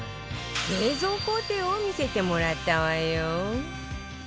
製造工程を見せてもらったわよ